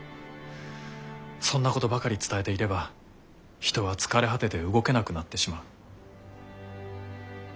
そんなことばかり伝えていれば人は疲れ果てて動けなくなってしまう。